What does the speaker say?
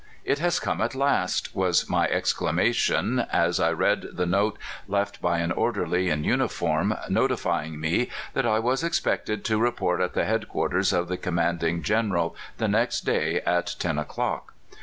"It has come at last!" was my exclamation as I read the note left by an orderly in uniform noti fying me that I was expected to report at the quar ters of the commanding general the next day at ten o'clock.